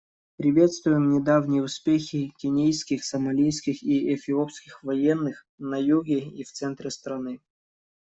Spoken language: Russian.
Приветствуем недавние успехи кенийских, сомалийских и эфиопских военных на юге и в центре страны.